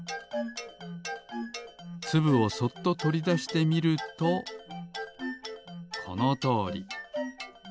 つぶをそっととりだしてみるとこのとおり。